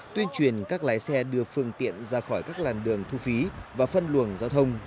tuyên truyền các lái xe đưa phương tiện ra khỏi các làn đường thu phí và phân luồng giao thông